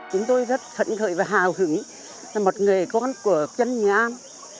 chúng tôi rất phận hợi và hào hứng là một người con của dân nghệ an